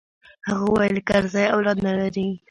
هغه وويل کرزى اولاد نه لري.